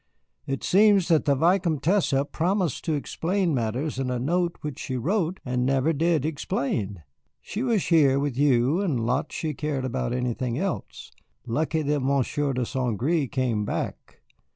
It seems that the Vicomtesse promised to explain matters in a note which she wrote, and never did explain. She was here with you, and a lot she cared about anything else. Lucky that Monsieur de St. Gré came back.